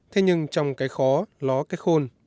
thế nhưng trong cái khó ló cái khôn